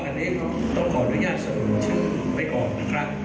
ก็อันนี้ต้องขออนุญาตสนุนให้ก่อนนะครับ